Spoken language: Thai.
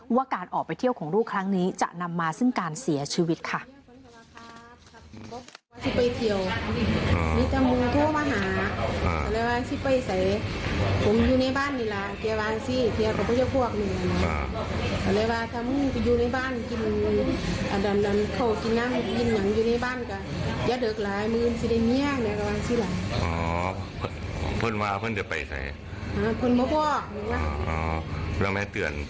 ว่าการออกไปเที่ยวของลูกครั้งนี้จะนำมาซึ่งการเสียชีวิตค่ะ